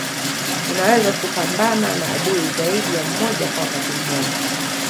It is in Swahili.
Unaweza kupambana na adui zaidi ya mmoja kwa wakati mmoja